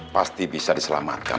pasti bisa diselamatkan